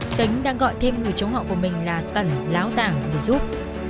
sánh đang gọi thêm người chống họ của mình là tần láo tảo để giúp